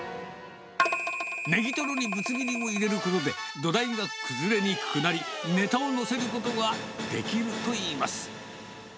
ネギトロにぶつ切りを入れることで、土台が崩れにくくなり、ねたを乗せることができるといいます。